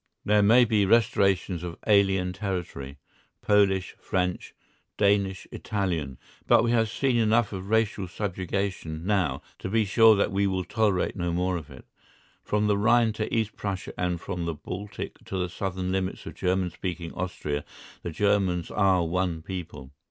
There may be restorations of alien territory—Polish, French, Danish, Italian, but we have seen enough of racial subjugation now to be sure that we will tolerate no more of it. From the Rhine to East Prussia and from the Baltic to the southern limits of German speaking Austria, the Germans are one people.